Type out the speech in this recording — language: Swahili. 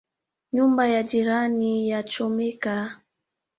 Nyumba ya jirani yachomeka